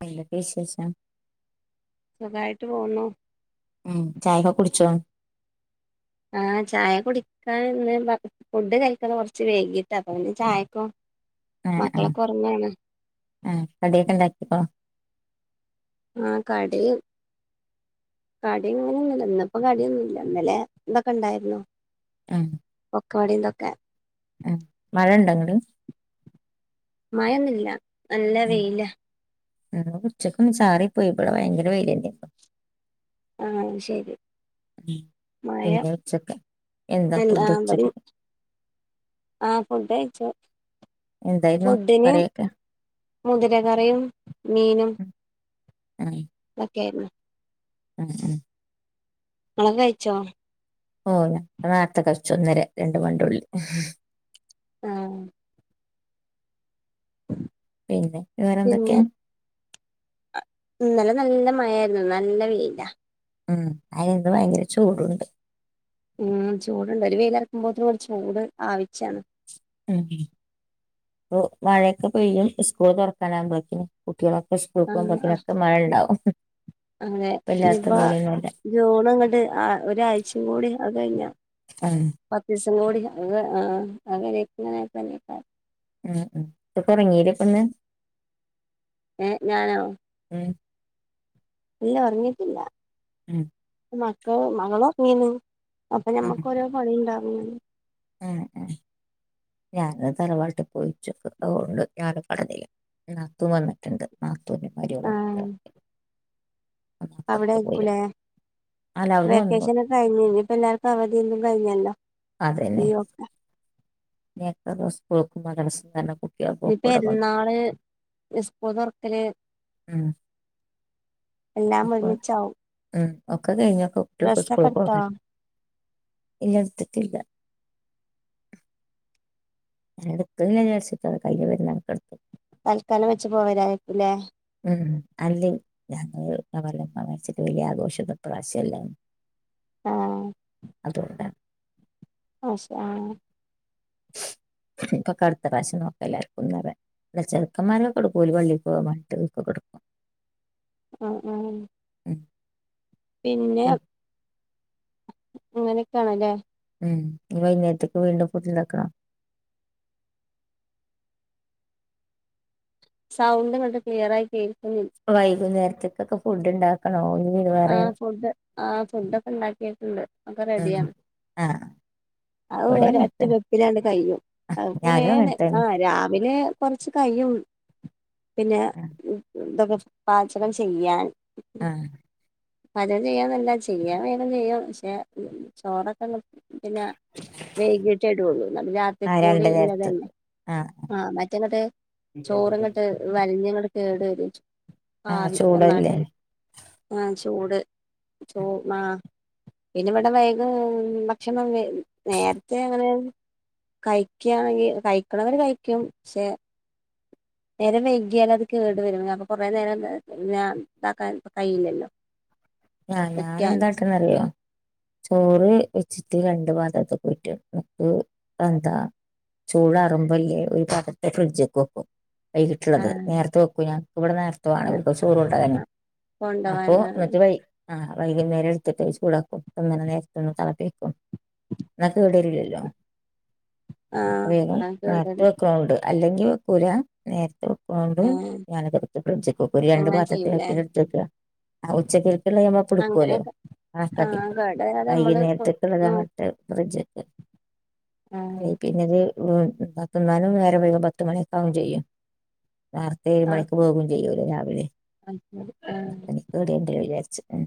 ക്ക് വിശേഷം സുഖായിട്ട് പോണു ഉം ചായൊക്കെ കുടിച്ചോ ആ ചായ കുടിക്കാന്ന് ഫുഡ് കഴിക്കുന്ന കുറച്ച് വേഗീട്ടാ അപ്പൊ പിന്നെ ചായക്കോ അ അ മക്കളൊക്കെ ഒറങ്ങാണ് അ കടിയൊക്കെ ഉണ്ടാക്കിപ്പോ ആ കടി കടിയും ഇങ്ങനെൊന്നുമ ഇന്നപ്പോ കടിയൊന്നുംല്ല ഇന്നലെ എന്തൊക്കെ ഇണ്ടായിരുന്നു ആനു കടിയെന്തൊക്കെ ആ മഴ ഇണ്ടങ്ങ മയൊന്നില്ല നല്ല വെയില ഉച്ചക്ക് ഒന്ന് ചാറി പോയി ഭയങ്കര വെയില്ണ്ട് ആ ശരി ഉം മഴ പിന്നെ ഉച്ചക്ക് എന്താ അ ഫുഡ് ഉച്ചക്ക് ഇവിടേം ആ ഫുഡ കഴി ച്ചു എന്തായിരുന്നു ഫുഡിന് കറിയൊക്കെ മുതിര കറിയും മീനും ആഹ് ഒക്കെയായിരുന്നു ഉം ഉം ഇങ്ങള് കഴിച്ചോ ഓ നേരത്തെ കഴിച്ചു ഒന്നര രണ്ട് മണിന്റെ ഉള്ളില് ആ പിന്നെ വേറെ എന്തൊക്കെഅ ഇന്നല്ലെ നല്ല മഴായിരുന്നു നല്ല വെയില ഉം അയിന്ന് ഭയങ്കര ചൂടുണ്ട് ഉം ചൂടുണ്ട് ഒരു വെയില ഇറക്കുമ്പോത് ഒരു ചൂട് ആവിശാണ് ഉ അ മഴയൊക്കെ പെയ്യും ഈസ്കൂൾ തുറക്കാനാവകുമ്പോളേക്കും ആ കുട്ടികളൊക്കെടുക്കുമ്പോത്തനൊക്കെ മഴയണ്ടാവും അങ്ങനെ ഇനിയിപ്പ ജൂണ ഇങ്ങോട്ട് ഒരാഴ്ചയും കൂടി അത് കഴിഞ്ഞ ഉം പത്ത് കൂടി ആ [unintelligible] ഉം ഉം ഇപ്പൊറങ്ങീട്ട ഇപ്പൊന്ന് ഏ ഞാനോ ഉ അല്ല ഉറങ്ങീട്ടില്ല ങും മക്ക മങ്ങളോക്കമീന്ന് അപ്പൊ നമ്മുക്ക് ഓരോ പണി ഉണ്ടാ ഉ ങ ങാ ഞാന് തറവാട്ടിൽ പോയിച്ചേ അതുകൊണ്ട് നാത്തൂൻ വന്നിട്ടൊണ്ട് ആ [unintelligible] അവിടെ ആയിരിക്കൂലേ അല്ല അവിടുന്ന് വന്നു വെക്കേഷന ഒക്കെ കഴിഞ്ഞ ഇപ്പ എല്ലാർക്കും അവധിയൊന്നും കഴിഞ്ഞല്ലോ ഈയോക്കെ നിയെത്റ ദിവസം കൊടുക്കും [unintelligible] ഇനിപ്പെരുന്നാള് എസ്പോ തൊറക്കല് ഉം എല്ലാം ഒക്കെ ഒരുമ്മിച്ചാവും ഉം ഒക്കെ കഴിഞ്ഞു ഒറ്റ ബസ് സ്കൂളി പോന്നെ എഴത്തിട്ടില്ല എടുക്കാ വിാരിച്ചിട്ട കയ്യി വരുന്ന കണക്കെടുക്കും തൽക്കാലം വെച്ച് പോവരായിരിക്കല്ലേ ഉ അല്ലേ ഞ പറ വച്ചിട്ട് വലിയ ആഘോഷത്തെ പ്രാവശ്യംല്ല ആ അതുകൊണ്ട അശ ആ ഇപ്പൊക്ക അടുത്ത പ്രാവശ്യം നോക്ക എല്ലാർക്കുംന്നല്ല ഇവിടെ ചെറുക്കന്മാരൊക്കെ കൊടുക്കല പള്ളീൽ പോകാൻ വട്ട്ക്കെ കൊടുക്കും ങും ഉം ഉ പിന്നെ അങ്ങനെയൊക്കെയാണല്ലേ ഉം ഇനി വൈകുന്നേരത്തേക്ക് വീണ്ടും ഫുട്ണ്ടാക്കാ സൗണ്ട് പണ്ട് ക്ലിയർ ആയിക്ക വൈകുന്നേരം ഉച്ചക്കൊക്കെ ഫുഡ് ഉണ്ടാക്കണോ ഇനി വേറെ ആഹ് ഫുഡ്‌ ആ ഫുഡ് ഒക്കെ ഉണ്ടാക്കിയിട്ടുണ്ട് ഒക്കെ ഉം റെഡിയാണ് ആഹ് അത് ഇവിടേം ഒര അങ്ങനെ അറ്റ തന്നെ വെപ്പിലാണ്ട് കയും അ കുറേ ഞാനും അങ്ങനെ ആ് തന്നെ രാവിലെ കൊറച്ച് കയും പിന്നെ ആഹ് എന്തൊക്ക പാചകം ചെയ്യാൻ ആഹ പാചകം ചെയ്യന്നല്ല ചെയ്യാൻ വേഗം ചെയ്യാം പക്ഷെ ചോറൊക്കെ പിന്നെ വേകിട്ടെടുള്ളു നമ്മ രാത്രി ആഹ് കൂടി രണ്ട് ഇല്ലത നേരത്ത് തന്നെ ആഹ് ആ മറ്റങ്ങോട്ട് ചോറ്ങ്ങോട്ട് വലഞ്ഞങ്ങ് കേടരും ആഹ ചൂടല്ലേ ആഹ ചൂട് ചൂ മാ പിന്നെ ഇവിടെ വൈഗ ഭക്ഷണം നേരത്തെ അങ്ങനെ കഴിക്കയാണെങ്കിൽ കഴിക്കുന്നവര് കഴിക്കും പക്ഷെ നേരം വൈകിയാൽ അത് കേടു വരുും അപ്പൊ കൊറേ നേരം ഞാൻ ഇതാക്കാൻ കഴിയില്ലല്ലോ ഞാൻ എന്താക്കന്ന അറിയോ ചോറ് വച്ചിട്ട് രണ്ട് പാത്രത്ക്ക് ഊറ്റി വെക്കും എന്താ ചൂട്റുമ്പോല്ലേ ഒരു പാത്രത്തെ ഫ്രിഡ്ജ് ക്കെ വെക്കും വൈകിട്ടുള്ളത് ആഹ് നേരത്തെ വെയ്ക്കും ഞാൻ ഇവിടെ നേരത്തെ വേണം ആഹ് ഇവിടുത്ത ചോറ് ഉണ്ടാക്കാനും ആഹ് കൊണ്ടോവാൻ അപ്പൊ ആഹ് എന്നിട്ട് വൈ ആഹ് വൈകുന്നേരം എടുത്തിട്ട് ചൂടാക്കും [unintelligible] ഒന്ന് തിളപ്പിക്കും എന്നാ കേടരില്ലല്ലോ അപ്പൊ ആഹ് വേഗം അത് കേട് വരും നേരത്തെ വെക്കുന്നുണ്ട് അല്ലെങ്കിൽ [unintelligible] നേര പ്പുണ്ട് ഏഹ് ഞാനത് എടുത്ത് ഫ്രിഡ്ജ്ക്ക്‌ വെക്കും ഒരു രണ്ട് അങ്ങനെ ചെയ്യൂലേ പാത്രത്തിലാക്കി [unintelligible] ആ ഉച്ചക്ക് എടു ടുക്കല്ലോ അങ്ങനെയൊക്കെ ആഹ് കണക്കാക്കിട്ട് കേട് വരാതെ നമ്മള് കൊ വൈകുന്നേരത്തെക്ക്ള്ളത് നോ [unintelligible] [unintelligible] അതെ ആഹ് പിന്നെത് [unintelligible] പത്തുന്നാലും വേറെ വൈക പത്ത് മണിയക്ക ആവും ചെയ്യും നേരത്തെ ഏഴ് ആഹ് മണിക്ക് പോകയും ചെയ്യൂലോ രാവിലെ അത് ശരി ആഹ് അനക്ക്‌ എന്റെ വിചാരിച്ച ച്ച് ഉം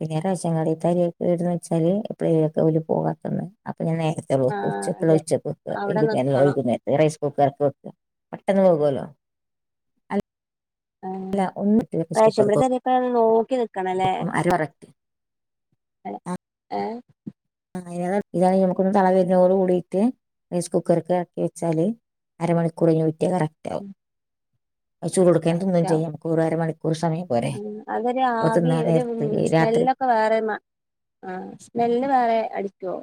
പിന്നെ റേഷൻ കടേത്തെ അരിക്കെടന്ന് വെച്ചാല് ഇപ്പഴേക്കെ [unintelligible] പിന്നെ നേരത്തെ ഉള്ള വക്കും ആഹ് ഉച്ചക്കുള്ള അതെ ഉച്ചക്ക് വക്ക അവിടെ വൈകുന്നേരം ള്ളത് നിക്കണം വൈകുന്നേരത്ത് റൈസ് കുക്കർ ക് വെക്ക പെട്ടന്ന് വേവോലോ അ ആ റേഷൻ പീടിയെത്തെ അരിയൊക്കെ നോക്കി നിക്കണലെ വെക്കും അര കറക്റ്റ് എ ഏ ആ ഇതാണ നമുക്കൊന്ന് തള വരുന്നോട് കൂടിയിട്ട് റൈസ് കുക്കർക്ക് എറക്കി വെച്ചാല് അരമണിക്കൂർ കഴിഞ്ഞാ കറക്റ്റാവും ഏഹ് പ ചൂ കൊടുക്കൻ ഒന്നും ചെയ്യാം [unintelligible] പോരെ ആ അതൊരു അപ്പോൾ ആവി തിന്നാൻ ഒരു നേരത്ത് രാത്രി സ്മെല്ലൊക്കെ വേറെ മാ ആ സ്മെല്ല് വേറെ അടിക്കുവോ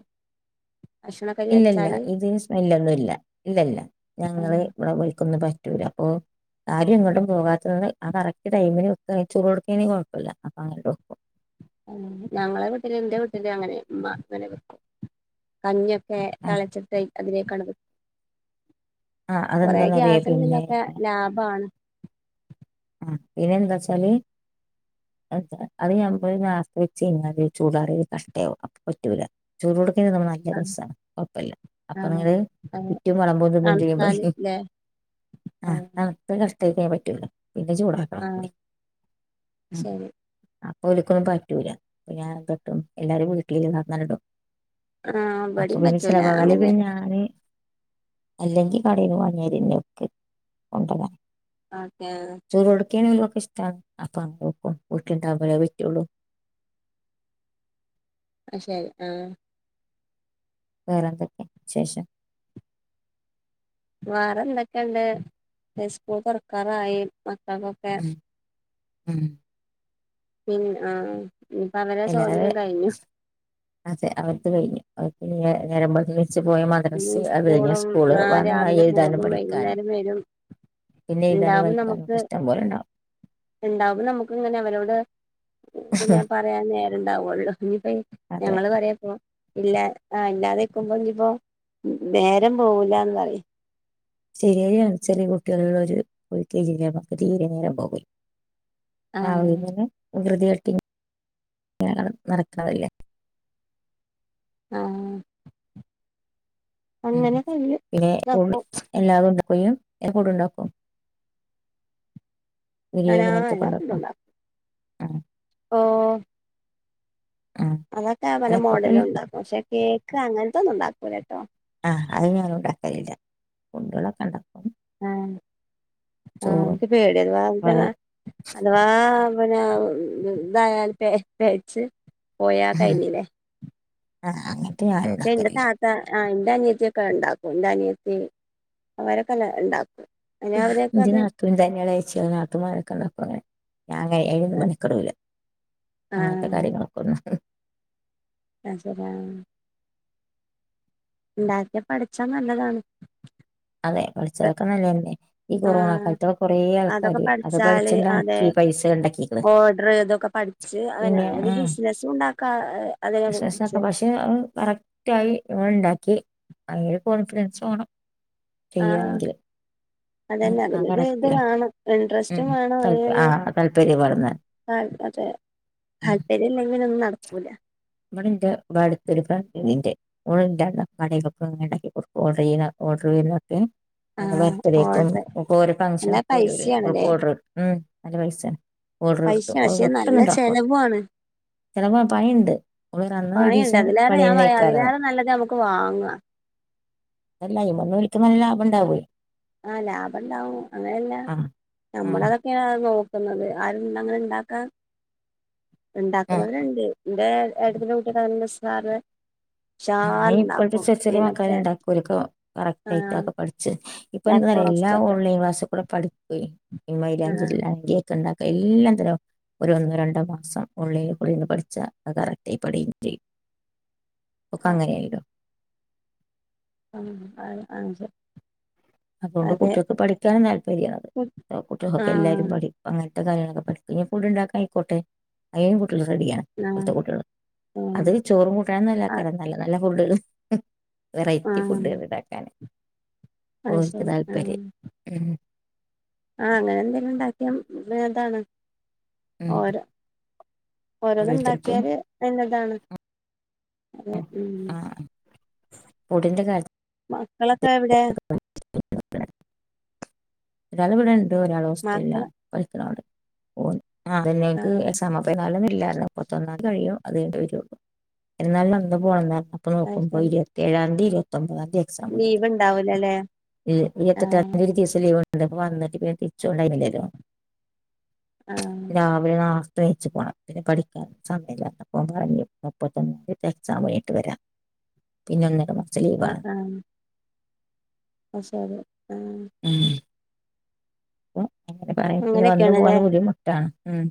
ഭക്ഷണക്കരി ഇല്ലല്ല വെച്ചാല് ഇത് സ്മെല്ലൊന്നും ഇല്ല ഇല്ലല്ല ഞങ്ങള് ഇവിടെ വെയ്ക്കുന്ന പ റ്റൂല്ല അപ്പൊ ആരും എങ്ങട്ടുംപോകാത്തന്ന് ആ കറക്റ്റ് ടൈമിന് തയ്ച്ചു കൊടുക്കുവാണെങ്കി കൊഴപ്പല്ല അപ്പൊ അങ്ങന [unintelligible] ഉം ഞങ്ങളെ വീട്ടില് എന്റെ വീട്ടില് അങ്ങനെ ഉമ്മ അങ്ങനെ വയ്ക്കും കഞ്ഞി ഒ ഒക്കെ ആഹ് തളച്ചിട്ട് അതിനേക്ക ആഹ് കൊറേ അതെന്താന്നറിയോ ഗ്യാസിനും പിന്നെ പിന്നൊക്കെ ലാഭമാണ് ആ പിന്നെ എന്താ വച്ചാല് അത് ഞമ്മള് ലാസ്‌റ്റവെച്ച് കഴിഞ്ഞാല് ചൂടാറി കട്ടേവും അപ്പം പറ്റൂല ചൂടോടെ [unintelligible] നല്ല ആഹ് രസമാണ് കൊഴപ്പില്ല അപ്പൊ ആഹ് നിങ്ങള് അതെ ചറ്റും വളമ്പോന്നും ചെയ്യും പറ തണുത്താല് ല്ലേ ആ് ആഹ് നുത്ത ക [unintelligible] തയ്ക്കാൻ പറ്റൂല്ല പിന്നെ ചൂടാക്കണം ആഹ് ഒന്നൂടി ഉം ശരി അപ്പൊ ഓൽക്കൊന്നും പറ്റൂല അപ്പം ഞാൻ എന്താട്ടും എല്ലാരിം വീട്ടിൽ [unintelligible] ആഹ് അപ്പൊ ഇവടിം പിന്നെ പറ്റൂല ചിലവാകല് അങ്ങനെ പിന്നെ ഞാന് അല്ലെങ്കിൽ കടെന്ന് വാങ്ങ്യാതിരി [unintelligible] ആക്കെ [unintelligible] ഇഷ്ടമാണ് അപ്പൊ [unintelligible] വീട്ടിണ്ടാവകുമ്പോലേ പറ്റുള്ളു ശരി ആഹ് ആഹ് വേറെന്തൊക്കെ വിശേഷം വേറെ എന്തൊക്കെയുണ്ട് ഹൈസ്കൂൾ തുറക്കാറായി പത്തകൊക്കെ ഉം ഉം പിൻ ആഹ് ഇനിപ്പ അവരെ എല്ലാവേ സ്വാതന്ത്ര്യം കഴിഞ്ഞു അതെ അവിടുത്തെ കഴിഞ്ഞു അ പിന്നെ നേരം പോ [unintelligible] ഛ പോയ മദ്രസ് അത് കഴിഞ്ഞാ സ്കൂളും സ്കൂള് ആ വന്നാഎഴുതാനും പഠിക്കാനും പിന്നെ എഴുതാനും ഉണ്ടാവും വായിക്കാനും നമുക്ക് ഒക്കെ ഇഷ്ടം പോലെ ഉണ്ടാവും ഉണ്ടാവും നമക്ക് ഇങ്ങനെ അവരോട് പറയാൻ നേരം ഉണ്ടാവുള്ളു ഇനിപ്പോ അതെ ഞങ്ങള് പറയേപ്പോ ഇല്ല ആഹ് ഇല്ലാതെക്കുമ്പോ പ്പോ നേരം പോവൂലാന്ന് പറയ് ശരിയാ ചെറിയ കുട്ടികളുള്ളോര് [unintelligible] തീരെ നേരം പോകും ആവൂ ആഹ് ഇങ്ങനെ [unintelligible] തീ [unintelligible] നടക്കാൻ വയ്യ ആഹ് ഉം അങ്ങനെ കയ്യും പിന്നെ ഉള്ളിൽ ഇതാക്കും [unintelligible] എപ്പോടുംണ്ടാക്കും ഞാനാ ബിരിയാണി [unintelligible] എല്ലാ ക്കൊണ്ടപ്പ ഫുഡും ഉണ്ടാക്കും ആ ഓ ഉം അതൊക്കെ പല അതൊക്കെ മോഡലും ഉണ്ടാക്കും ക്ഷെ കേക്ക് അങ്ങനത്തൊന്നും ഉണ്ടാക്കൂല ട്ടോ ആഹ് അത് ഞാൻ ഉണ്ടാക്കയില്ല കുണ്ടകളൊക്കെ ഉണ്ട ആ ചോറും എക്ക് പേടി അത്വാ പല അഥവാ പ ഞാൻ തായാൽ പേ പേച്ച് പോയാ കഴിഞ്ഞില്ലേ ആഹ ച്ചേ ന്റെ താത്ത അ ന്റെ അനിയത്തിയൊക്കെ ഉണ്ടാക്കും ന്റെ അനിയത്തി അവരൊക്കെഞ്ഞെ ഉണ്ടാക്കും അനെ അവരൊക്കെ ന്റെ അത് നാത്തൂൻ തന്നെളേച്ചി [unintelligible] അങ്ങനെ ഞാനങ്ങ മെനക്കെടൂല അങ്ങനത്തെ കാര്യങ്ങളൊക്കൊന്നും പശ ര ഉണ്ടാക്കിയ പഠിച്ചാ നല്ലതാണ് അതെ പഠിച്ചതൊക്കെ നല്ലന്നെ ഈ കൊറോണ ആഹ് കാലത്തുള്ള കൊറേ അതൊക്കെ ആൾക്കാര് അത് പഠിച്ചാല് അതെ പഠിച്ചുണ്ടാക്കി പൈസ ഉണ്ടാക്കി ഓർഡർ ഇതൊക്കെ പഠിച്ച് അവന പിന്നെ ഒരു ആ ബിസിനസ്സും ഉണ്ടാക്കാ അതിനെ വിഷഷൊക്കെ കുറിച്ച് പക്ഷെ കറക്റ്റ് ആായി ങ്ങൾ ഇണ്ടാക്കി ഭയങ്കര കോൺഫിഡൻസ് വാണം ആഹ ഉം, അതല്ലെ ആ അതിലൊ ഇത് കറക്റ്റ് വേണം ഇൻട്രസ്റ്റും വേണം താല്പ ആ അതിര് താല്പര്യം പറഞ്ഞ താ അതെ താല്പര്യം ഇല്ലെങ്കി പിന്നെ ഒന്നു നട ഉല [unintelligible] ഓഡർ ചെയ്യന ഓർഡർ ചെയ്യന ഏഹ് വളെ ആഹ് ബർത്ത്ഡേക്കും ഓർഡർ ഒക്കെ ഒരോ നല്ല ഫംഗ്ഷനക്കെ വരൂലേ ഓൾക്ക് പൈസയാണല്ലേ ഓർഡറ് ഉം നല്ല പൈസാ ഓടർക്ക പൈസ പക്ഷെ പെട്ടെന്ന് നല്ല ഇണ്ടാക്ക ചെലവുമാണ് ചിലപ്പോ പയുണ്ട് പണിയുണ്ട് അതിലറെ ഞാൻ പറയാ അതിലേറെ നല്ലത നമുക്ക് വാങ്ങാ അല്ല ഇ മന്നന്ന് വിളിക്ക നല്ല ലാഭം ഇണ്ടാവൂ ആ ലാഭംണ്ടാവും അങ്ങനെയല്ല ആ ആ നമ്മളതൊക്കെയ നോ ക്കന്നത് ആരുങ്ങനെ ഇണ്ടാക്കാ ആ ഇണ്ടാക്കുന്നവരുണ്ട് ഇന്റെ ഏട്ടത്തിൻ്റെ കുട്ടിക്കെ നല്ല [unintelligible] ആഹ് ഇപ്പോഴത്തെ ഉഷാറുണ്ടാക്കും ചെറ ഈ ചെറിയ മക്കാല മറ്റേ ഇണ്ടാക്കൂലൊക്കെ കറക്റ്റ് ആ ആയിട്ടൊക്കെ പഠിച്ചച്ച് ഇപ്പ എന്താ ബ്ലാക്ക് പറയാ എല്ലാ ഫോറസ്റ്റ് ഒക്കെ ഓൺലൈ ക്ലാസ്ൽക്കൂടെ പഠിക്കുവെ ഈ ആ മൈലാഞ്ചില്ലാ കേക്ക്ണ്ട എല്ലാ തരം ഒരു ഒന്നോ രണ്ടോ മാസം ഓൺലൈനിളന്ന് പഠിച്ചാ കറക്റ്റായി പഠിയും ചെയ്യും ഒക്കെ ആ അങ്ങനെയയില്ലോ ആ അ [unintelligible] അതുകൊണ്ട് കുട്ടികൾക്ക് പഠിക്കാനൻ താല്പര്യാണത് ആ കുട്ടികൾൊക്കെ എല്ലാരും പഠിക്കും അങ്ങനെ കാര്യങ്ങളൊക്കെ പഠിക്കും ഇനി ഫുഡുണ്ടാക്കനായിക്കോട്ടെ [inaudible] റെഡിയാ ആ ഇവിടുത്തെ കുട്ടൃള് ആ അത് ചോറും കൂട്ടാനുവൊന്നുവല്ല വെറെ നല്ല നല്ല [unintelligible] ആ വെറൈറ്റി ഫുഡുകൾ ഇണ്ടാക്കാന് അത് ഓൽക്ക് ശരി താൽപര്യം ഉം ആഹ അങ്ങനെ എന്തെങ്കിലും ഉണ്ടാക്കിയ ഭേദാണ് ഉം ഓരോ ഓരോന്ന് ഓരോരുത്തർക്കും ഉണ്ടാക്കിയാല് [unintelligible] അതെ ഉം ആഹ ഫഡിന്റെ കാര്യ മക്കളൊക്കെ എവിടെ എല്ലാവരും ഇവി ഇവിടൊരാൾ മക്കള് ഹോസ്റ്റലിലാണ് [inaudible] ഓൻ ആ അതെനിക്ക് ആഹ് എക്സാമാ [unintelligible] ഇല്ല നുപ്പതൊന്നാതി കഴിയും അത് കഴിഞ്ഞിട്ടെ വറൊള്ളൂ. എല്ലാവരും അന്ന് പാകാന്നാ അപ്പോ അത് നോക്കുമ്പോ ശരി ഇരുപത്തേഴാന്തി [unintelligible] [unintelligible] എക്സാം [unintelligible] ലീവ് ഉണ്ടാവൂലല്ലേ അ് ഇരുപത്തെട്ടാം ആഹ് തിഒരു ദിവസം ലീവാണ് എന്റെപ്പോ വന്നിട്ട് പിന്നെ തിരിച്ചോണ്ടായിന്നില്ലല്ലോ ആഹ് രാവിലെ ന്നാ [unintelligible] പോണം പിന്നെ പഠിക്കാൻ സമയല്ലാത്തപ്പോം പറഞ്ഞ് മുപ്പത്തൊന്നാം എക്സാം കഴിഞ്ഞിട്ട് വരാം പിന്നെ അന്നേരം ആ ആ [unintelligible] ഉം അപ്പൊ അങ്ങനെ പറയല്ലേ വന്നു പോകാൻ ബുദ്ധിമുട്ടാണ് ഉം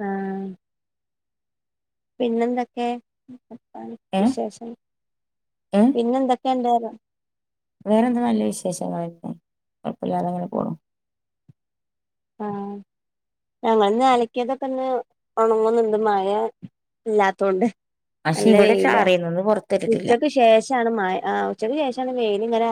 ആ പിന്നെന്തെക്കെ ഏ വിശേഷം പിന്നെന്തൊ എൻ്റെ ന്ന് വേറെ എന്ത നല്ല വിശേഷങ്ങള് ഇപ്പം കൊഴപ്പമില്ലാതെ അങ്ങനെ പോണ് ആ ഞങ്ങന്ന് അലക്കതൊക്കെ ഒന്ന് ഉണങ്ങുന്നുണ്ട് മായ ഇല്ലാത്തോണ്ട് പക്ഷെ നല്ല ഇവിടെ വെയില ചാറിന്നു ഇന്ന് പുറത്തിട്ടിട്ടില്ല ഉച്ചക്ക് ശേഷമാണ് മ ആഹ് ഉച്ചക്ക് ശേഷമാണ് വെയി ഞ്ങ്ങനെ